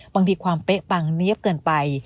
บางทีความเป๊ะปังเนี๊ยบเกินไป